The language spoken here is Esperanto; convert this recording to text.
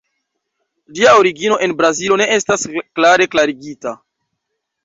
Ĝia origino en Brazilo ne estas klare klarigita.